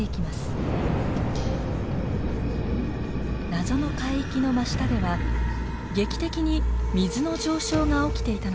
謎の海域の真下では劇的に水の上昇が起きていたのです。